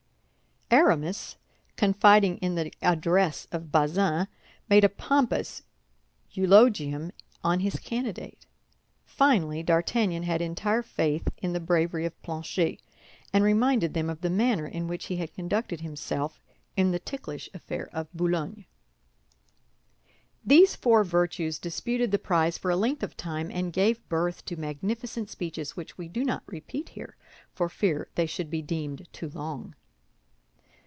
Aramis, confiding in the address of Bazin, made a pompous eulogium on his candidate. Finally, D'Artagnan had entire faith in the bravery of Planchet, and reminded them of the manner in which he had conducted himself in the ticklish affair of Boulogne. These four virtues disputed the prize for a length of time, and gave birth to magnificent speeches which we do not repeat here for fear they should be deemed too long.